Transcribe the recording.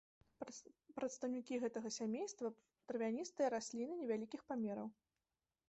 Прадстаўнікі гэтага сямейства травяністыя расліны невялікіх памераў.